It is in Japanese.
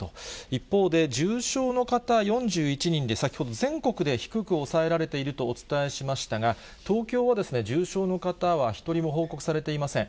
一方で、重症の方、４１人で、先ほど全国で低く抑えられているとお伝えしましたが、東京は重症の方は１人も報告されていません。